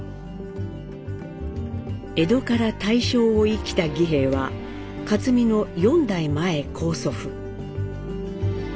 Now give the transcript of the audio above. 江戸から大正を生きた儀平は克実の４代前高祖父。